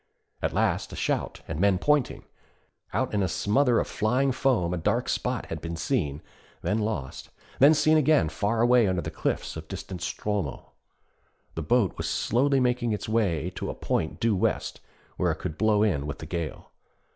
At last a shout, and men pointing; out in a smother of flying foam a dark spot had been seen, then lost, then seen again far away under the cliffs of distant Stromö. The boat was slowly making its way to a point due west, where it could blow in with the gale.